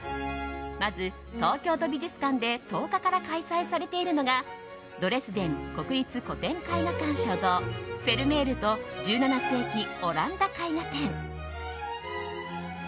まず、東京都美術館で１０日から開催されているのが「ドレスデン国立古典絵画館所蔵フェルメールと１７世紀オランダ絵画展」。